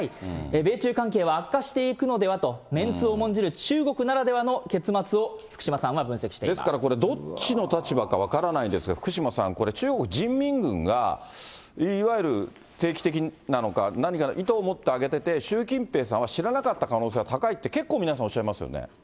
米中関係は悪化していくのではと、メンツを重んじる中国ならではのですから、これどっちの立場か分からないですが、福島さん、これ、中国人民軍が、いわゆる定期的なのか、何か意図を持って上げてて、習近平さんは知らなかった可能性が高いって、結構皆さんおっしゃいますよね。